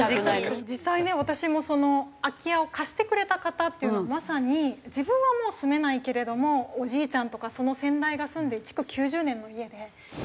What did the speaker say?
実際ね私も空き家を貸してくれた方っていうのもまさに自分はもう住めないけれどもおじいちゃんとかその先代が住んで築９０年の家で。